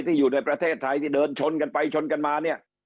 อยู่ในประเทศไทยที่เดินชนกันไปชนกันมาเนี่ย